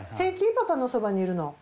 パパのそばにいるの。